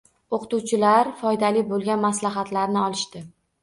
O‘qituvchilar foydali bo‘lgan maslahatlarni olishdi.